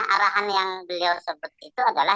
arahan yang beliau sebut itu adalah